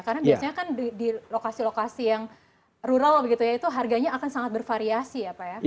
karena biasanya kan di lokasi lokasi yang rural begitu ya itu harganya akan sangat bervariasi ya pak ya